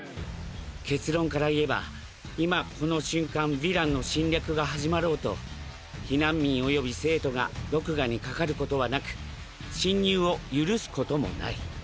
結論から言えば今この瞬間ヴィランの侵略が始まろうと避難民及び生徒が毒牙に掛かることはなく侵入を許す事もない。